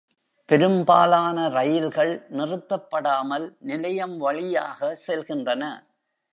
பெரும்பாலான ரயில்கள் நிறுத்தப்படாமல் நிலையம் வழியாக செல்கின்றன.